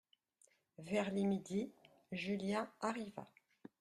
Vers les midi Julien arriva.